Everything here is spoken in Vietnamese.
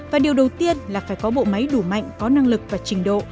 và phải có bộ máy đủ mạnh có năng lực và trình độ